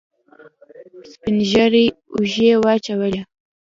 سپينږيري اوږې واچولې.